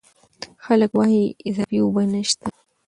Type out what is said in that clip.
خلک وايي اضافي اوبه نشته.